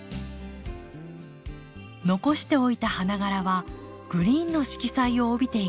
残しておいた花がらはグリーンの色彩を帯びていきます。